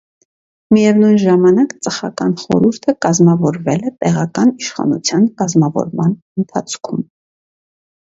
Միևնույն ժամանակ ծխական խորհուրդը կազմավորվել է տեղական իշխանության կազմավորման ընթացքում։